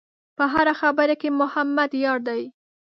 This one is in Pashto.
په هره خبره کې محمد یار دی.